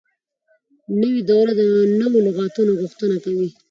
نوې دوره د نوو لغاتو غوښتنه کوي.